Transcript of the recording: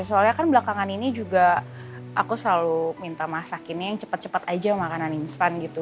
soalnya kan belakangan ini juga aku selalu minta masakinnya yang cepat cepat aja makanan instan gitu